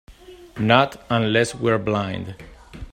Not unless we're blind.